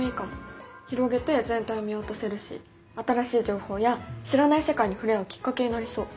広げて全体を見渡せるし新しい情報や知らない世界に触れ合うきっかけになりそう。